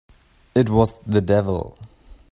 It was the devil!